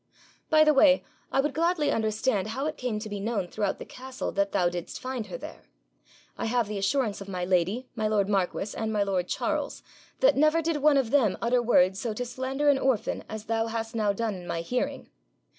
By the way, I would gladly understand how it came to be known throughout the castle that thou didst find her there? I have the assurance of my lady, my lord marquis, and my lord Charles, that never did one of them utter word so to slander an orphan as thou hast now done in my hearing.